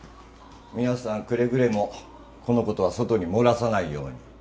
皆さんくれぐれもこのことは外に漏らさないように。